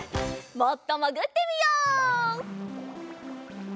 もっともぐってみよう。